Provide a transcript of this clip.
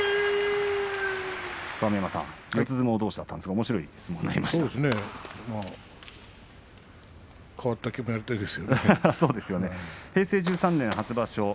鏡山さん、四つ相撲どうしだったんですが、おもしろい相撲になりましたね。